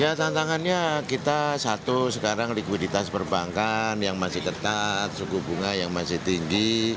ya tantangannya kita satu sekarang likuiditas perbankan yang masih ketat suku bunga yang masih tinggi